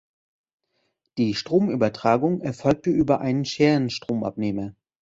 Die Stromübertragung erfolgte über einen Scherenstromabnehmer.